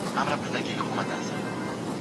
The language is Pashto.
په تنور کي زېږېدلي په تنور کي به ښخیږي